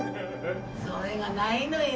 それがないのよ。